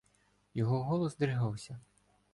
Його голос здригався.